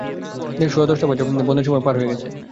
সোয়া দশটা বাজে, বন্ধের সময়ও পার হয়ে গেছে।